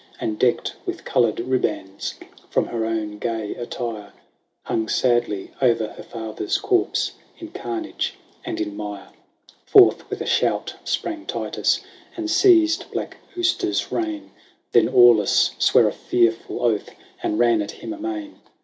And decked with coloured ribands From her own gay attire, Hung sadly o'er her father's corpse In carnage and in mire. Forth with a shout sprang Titus, And seized black Auster's rein. Then Aulus sware a fearful oath. And ran at him amain.